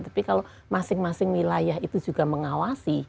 tapi kalau masing masing wilayah itu juga mengawasi